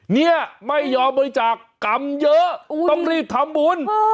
เนี่ยไม่ยอมบริจาคกรรมเยอะต้องรีบทำบุญ